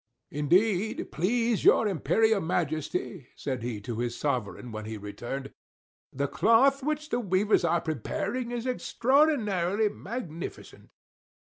"Indeed, please your Imperial Majesty," said he to his sovereign when he returned, "the cloth which the weavers are preparing is extraordinarily magnificent."